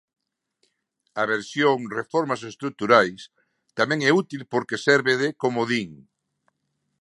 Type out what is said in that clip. A versión "reformas estruturais" tamén é útil porque serve de comodín.